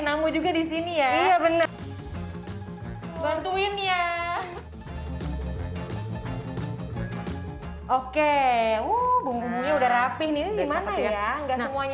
namu juga di sini ya iya bener bantuin ya oke uh bumbunya udah rapi nih gimana ya enggak semuanya